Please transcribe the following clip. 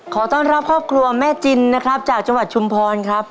ขอต้อนรับครอบครัวแม่จินนะครับจากจังหวัดชุมพรครับ